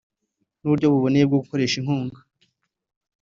n’uburyo buboneye bwo gukoresha inkunga